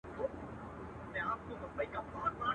یو په یو یې د ژوند حال ورته ویلی.